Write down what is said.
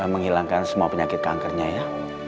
menghilangkan semua penyakit kankernya ya